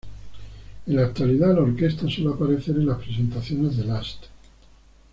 En la actualidad, la orquesta suele aparecer en las presentaciones de Last.